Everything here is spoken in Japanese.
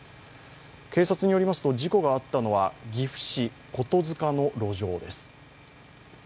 警察によりますと、事故があったのは岐阜市琴塚の路上です。